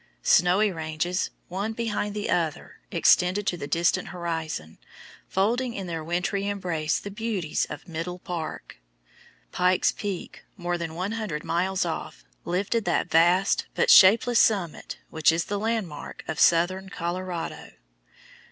Snowy ranges, one behind the other, extended to the distant horizon, folding in their wintry embrace the beauties of Middle Park. Pike's Peak, more than one hundred miles off, lifted that vast but shapeless summit which is the landmark of southern Colorado.